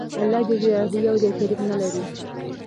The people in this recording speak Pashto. الله ج يو دى شريک نلري